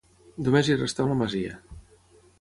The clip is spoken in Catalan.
Només hi restà una masia.